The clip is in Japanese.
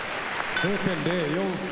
０．０４差。